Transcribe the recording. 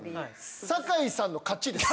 酒井さんの勝ちです